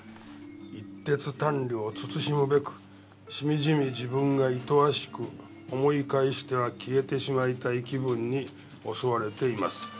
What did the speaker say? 「一徹短慮を慎むべくしみじみ自分が厭わしく思い返しては消えてしまいたい気分に襲われています」